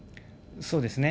そうですね。